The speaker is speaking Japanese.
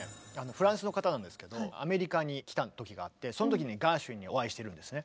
フランスの方なんですけどアメリカに来た時があってその時にガーシュウィンにお会いしてるんですね。